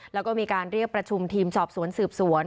และมีการเรียกประชุมทีมที่ฉอบสวนสืบสวน